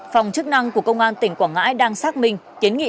phòng chức năng của công an tỉnh quảng ngãi đang xác minh kiến nghị